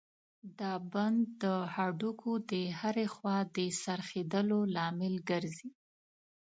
دا بند د هډوکو د هرې خوا د څرخېدلو لامل ګرځي.